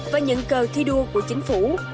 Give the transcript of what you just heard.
và nhận cờ thi đua của chính phủ